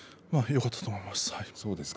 よかったと思います。